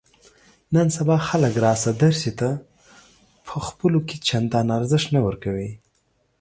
نن سبا خلک راشه درشې ته په خپلو کې چندان ارزښت نه ورکوي.